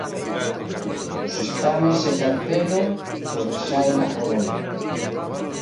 Os estames e carpelo sobresaen á corola.